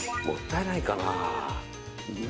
もったいないかな。